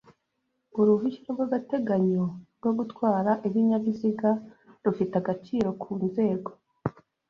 Uruhushya rw’agateganyo rwo gutwara ibinyabiziga rufite agaciro ku nzego